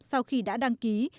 sau khi đã đăng ký